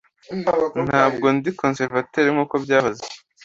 Ntabwo ndi conservateur nkuko byahoze.